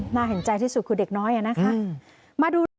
น่าเห็นใจที่สุดคือเด็กน้อยนะคะ